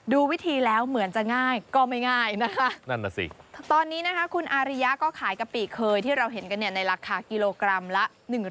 ดูวิธีแล้วเหมือนจะง่ายก็ไม่ง่ายนะคะ